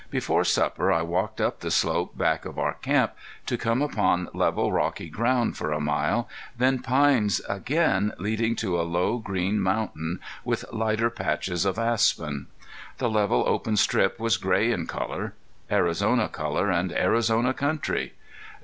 Before supper I walked up the slope back of our camp, to come upon level, rocky ground for a mile, then pines again leading to a low, green mountain with lighter patches of aspen. The level, open strip was gray in color. Arizona color and Arizona country!